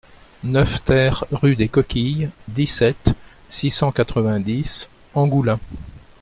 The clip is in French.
neuf TER rue des Coquilles, dix-sept, six cent quatre-vingt-dix, Angoulins